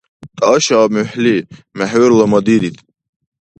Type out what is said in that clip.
ТӀашаа мухӀли! МехӀурла мадирид!